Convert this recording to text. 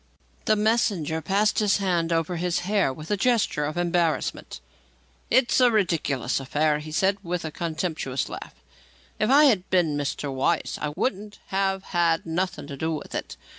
The messenger passed his hand over his hair with a gesture of embarrassment. "It's a ridicklus affair," he said, with a contemptuous laugh. "If I had been Mr. Weiss, I wouldn't have had nothing to do with it.